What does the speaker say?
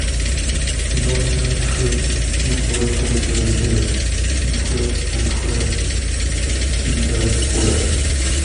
Си номерыр тхы: щибгъурэ тӏощӏрэ зырэ - щитхурэ пщыкӏутхурэ – щитӏрэ бгъурэ.